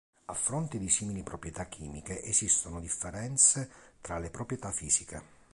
A fronte di simili proprietà chimiche, esistono differenze tra le proprietà fisiche.